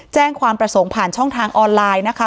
แจ้งความประสงค์ผ่านช่องทางออนไลน์นะคะ